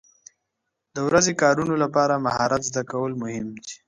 د ورځني کارونو لپاره مهارت زده کول مهم دي.